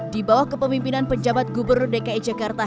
di bawah kepemimpinan penjabat gubernur dki jakarta